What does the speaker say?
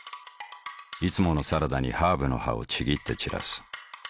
いつものサラダにハーブの葉をちぎって散らす。